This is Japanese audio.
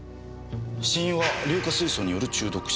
死因は硫化水素による中毒死。